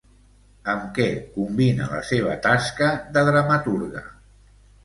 Amb què combina la seva tasca de dramaturga?